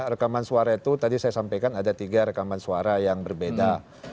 rekaman suara itu tadi saya sampaikan ada tiga rekaman suara yang berbeda